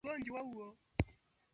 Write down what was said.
Bora maneno yasipite kumi na sita.